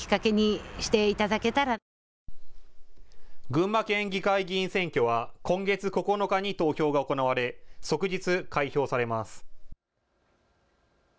群馬県議会議員選挙は今月９日に投票が行われ即日開票されます。